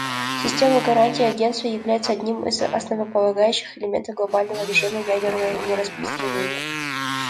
Система гарантий Агентства является одним из основополагающих элементов глобального режима ядерного нераспространения.